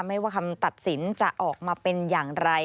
ไม่ว่าคำตัดสินจะออกมาเป็นอย่างไร